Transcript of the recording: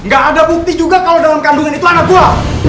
gak ada bukti juga kalau dalam kandungan itu anak buah